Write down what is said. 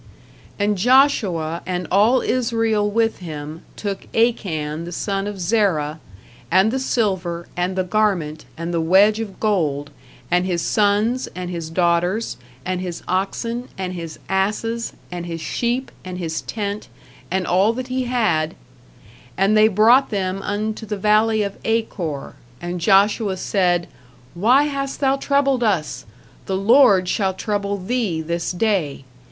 And Joshua, and all Israel with him, took Achan the son of Zerah, and the silver, and the garment, and the wedge of gold, and his sons, and his daughters, and his oxen, and his asses, and his sheep, and his tent, and all that he had: and they brought them unto the Valley of Achor. And Joshua said, Why hast thou troubled us? the Lord shall trouble thee this day.